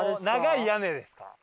長い屋根ですか？